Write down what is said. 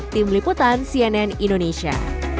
tim liputan cnn indonesia